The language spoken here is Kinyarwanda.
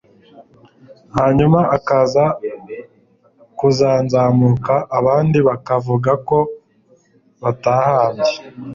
hanyuma akaza kuzanzamuka. Abandi bakavuga ko batahambye